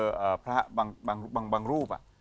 คนอ่ะพระบางรูป